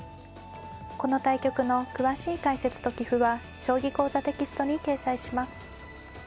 この対局の詳しい解説と棋譜は「将棋講座」テキストに掲載します。